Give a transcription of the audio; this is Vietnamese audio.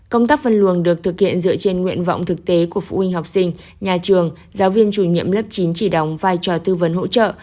công tác phân luồng được thực hiện dựa trên nguyện vọng thực tế của phụ huynh học sinh nhà trường giáo viên chủ nhiệm lớp chín chỉ đóng vai trò tư vấn hỗ trợ